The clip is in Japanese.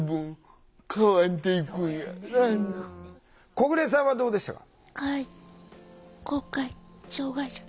小暮さんはどうでしたか？